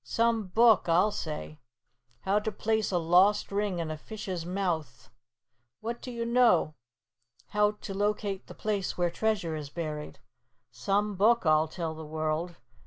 "Some book, I'll say. 'HOW TO PLACE A LOST RING IN A FISH'S MOUTH.' What do you know! 'HOW TO LOCATE THE PLACE WHERE TREASURE IS BURIED.' Some book, I'll tell the world!